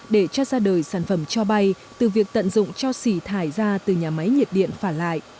để cho ra đời sản phẩm cho bay từ việc tận dụng cho xỉ thải ra từ nhà máy nhiệt điện phả lại